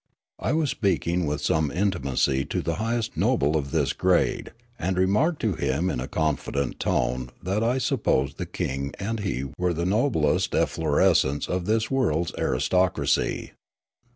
I was speaking with some intimacj to the highest noble of this grade, and remarked to him in a confident tone that I supposed 46 Riallaro the king and he were the noblest efflorescence of this world's aristocracy.